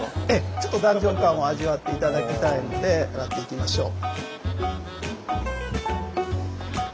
ちょっとダンジョン感を味わって頂きたいので上がっていきましょう。